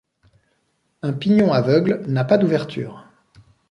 Un pignon aveugle n’a pas d'ouverture.